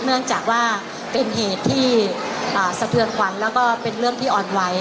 เนื่องจากว่าเป็นเหตุที่สะเทือนขวัญแล้วก็เป็นเรื่องที่อ่อนไหว